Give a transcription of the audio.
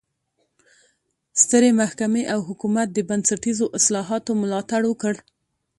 سترې محکمې او حکومت د بنسټیزو اصلاحاتو ملاتړ وکړ.